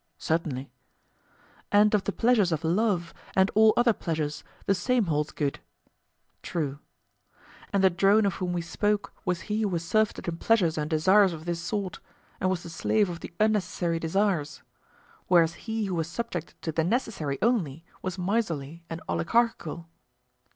Certainly. And of the pleasures of love, and all other pleasures, the same holds good? True. And the drone of whom we spoke was he who was surfeited in pleasures and desires of this sort, and was the slave of the unnecessary desires, whereas he who was subject to the necessary only was miserly and oligarchical?